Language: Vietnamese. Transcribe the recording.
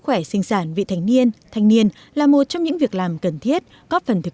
khỏe sinh sản vị thanh niên thanh niên là một trong những việc làm cần thiết góp phần thực